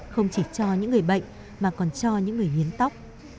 không chỉ cho những người bệnh mà còn cho những người hiến tóc